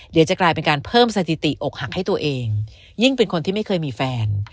เดี๋ยวจะกลายเป็นการเพิ่มสถิติอกหักให้ตัวเองยิ่งเป็นคนที่ไม่เคยมีแฟน